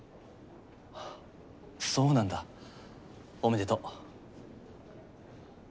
あっそうなんだおめでとう。